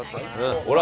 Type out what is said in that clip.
ほら！